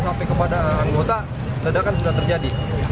sampai kepada anggota ledakan sudah terjadi